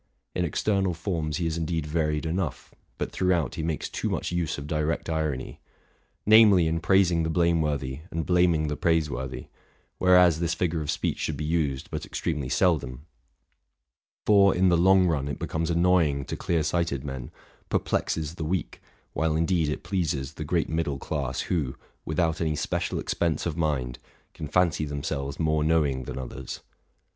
In external forms he is indeed varied enough, but throughout he makes too much use of direct irony ; namely, in praising the blameworthy and blam ing the praiseworthy, whereas this figure of speech should be used but extremely seldom; for, in the long run, it becomes annoying to clear sighted men, perplexes the weak, while indeed it pleases the great middle class, who, without any special expense of mind, can fancy themselves more know ing than others.